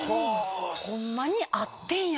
ホンマにあってんや！